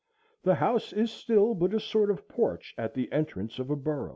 The house is still but a sort of porch at the entrance of a burrow.